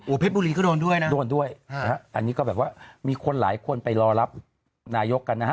เพชรบุรีก็โดนด้วยนะโดนด้วยอันนี้ก็แบบว่ามีคนหลายคนไปรอรับนายกกันนะฮะ